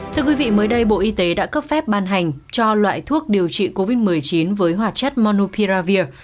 thưa quý vị mới đây bộ y tế đã cấp phép ban hành cho loại thuốc điều trị covid một mươi chín với hoạt chất manupiravir